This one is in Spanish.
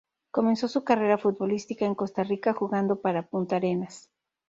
Comenzó su carrera futbolística en Costa Rica jugando para Puntarenas.